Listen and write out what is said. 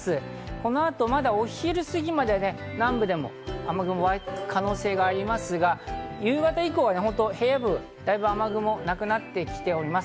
この後、お昼すぎまで南部で雨雲がわく可能性がありますが、夕方以降は平野部、だいぶ雨雲がなくなってきています。